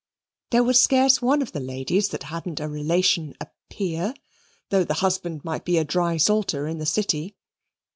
There was scarce one of the ladies that hadn't a relation a Peer, though the husband might be a drysalter in the City.